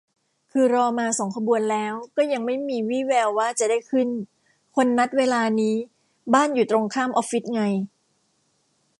คือรอมาสองขบวนแล้วก็ยังไม่มีวี่แววว่าจะได้ขึ้น คนนัดเวลานี้บ้านอยู่ตรงข้ามออฟฟิศไง